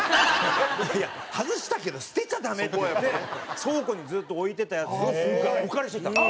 「いやいや外したけど捨てちゃダメ」って言って倉庫にずっと置いてたやつを今回お借りしてきた。